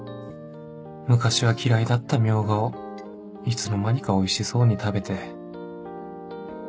昔は嫌いだったミョウガをいつの間にかおいしそうに食べて